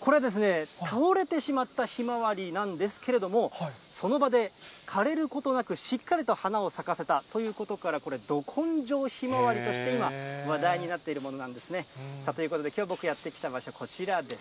これ、倒れてしまったひまわりなんですけれども、その場で枯れることなく、しっかりと花を咲かせたということから、これ、ど根性ひまわりとして、今、話題になってるものなんですね。ということで、きょう僕やって来た場所、こちらです。